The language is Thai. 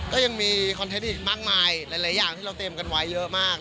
ก็ยังมีคอนเทนต์อีกมากมายหลายอย่างที่เราเตรียมกันไว้เยอะมาก